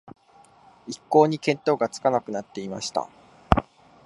一向に見当がつかなくなっていました